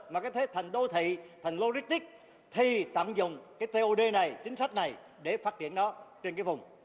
mà có thể thành đô thị thành lô rích tích thì tạm dùng cái tod này chính sách này để phát triển nó trên cái vùng